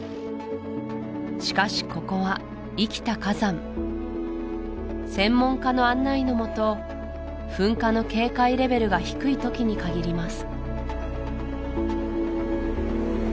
しかしここは生きた火山専門家の案内のもと噴火の警戒レベルが低い時に限ります